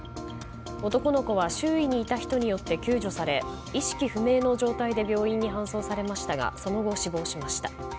男の子は周囲にいた人によって救助され意識不明の状態で病院に搬送されましたがその後、死亡しました。